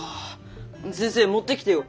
先生持ってきてよ！